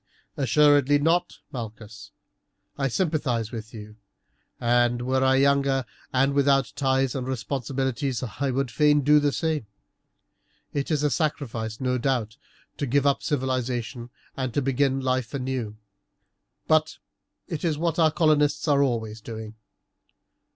"Assuredly not, Malchus; I sympathize with you, and were I younger and without ties and responsibilities would fain do the same. It is a sacrifice, no doubt, to give up civilization and to begin life anew, but it is what our colonists are always doing.